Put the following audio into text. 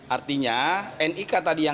artinya nik tadi yang kami simpan